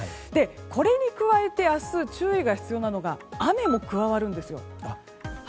これに加えて、明日注意が必要なのが雨も加わるんですよ。